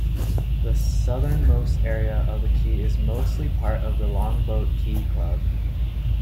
The southernmost area of the key is mostly part of the Longboat Key Club.